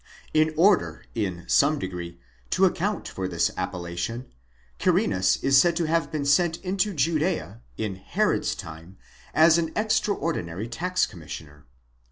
In order in some degree to account for this appellation, Quirinus is said to have been sent into Judea, in Herod's time, as an extraordinary tax commissioner*?